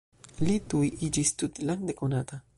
Li tuj iĝis tutlande konata.